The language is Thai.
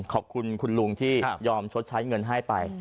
ขอบคุณคุณลุงที่ยอมชดใช้เงินให้ไป